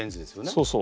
そうそう。